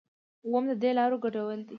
اووم ددې لارو ګډول دي.